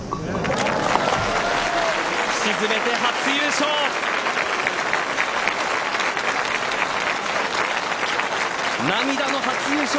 沈めて初優勝。